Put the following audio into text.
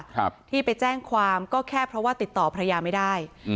ครับที่ไปแจ้งความก็แค่เพราะว่าติดต่อภรรยาไม่ได้อืม